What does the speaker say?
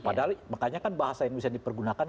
padahal makanya kan bahasa yang bisa dipergunakan